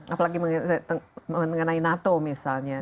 apalagi mengenai nato misalnya